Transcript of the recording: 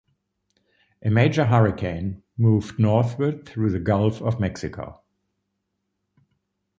A major hurricane moved northward through the Gulf of Mexico.